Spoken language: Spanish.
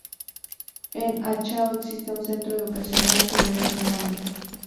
En Achao existe un Centro educacional que lleva su nombre.